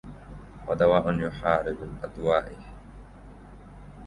ودواء يحارب الأدواءَ